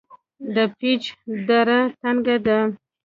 د پیج دره تنګه ده